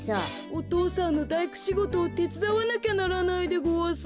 お父さんのだいくしごとをてつだわなきゃならないでごわす。